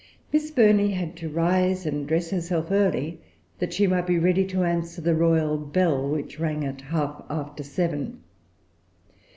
Miss Burney had to rise and dress herself early, that she might be ready to answer the royal bell, which rang at half after seven.